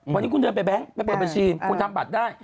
วันนี้คุณเดินไปแบงค์ไปเปิดบัญชีคุณทำบัตรได้